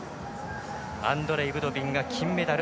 アンドレイ・ブドビンが金メダル。